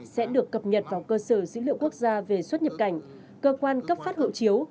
sẽ được cập nhật vào cơ sở dữ liệu quốc gia về xuất nhập cảnh cơ quan cấp phát hộ chiếu